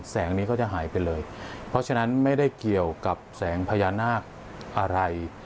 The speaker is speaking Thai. แสงนี้ก็จะหายไปเลยเพราะฉะนั้นไม่ได้เกี่ยวกับแสงพญานาคอะไร